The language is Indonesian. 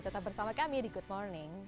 tetap bersama kami di good morning